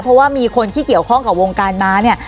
เพราะว่ามีคนที่เกี่ยวข้องกับวงการม้าเนี่ย